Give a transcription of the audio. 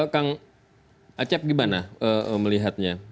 kang acap gimana melihatnya